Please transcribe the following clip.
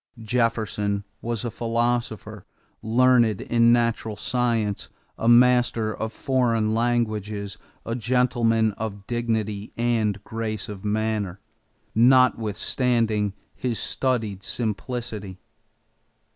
Jefferson was a philosopher, learned in natural science, a master of foreign languages, a gentleman of dignity and grace of manner, notwithstanding his studied simplicity.